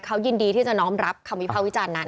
เขายินดีที่จะน้อมรับคำวิภาควิจารณ์นั้น